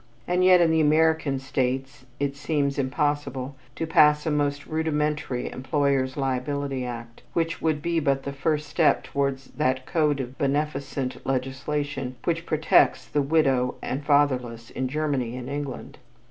And yet in the American states it seems impossible to pass a most rudimentary employers' liability act, which would be but the first step towards that code of beneficent legislation which protects "the widow and fatherless" in Germany and England.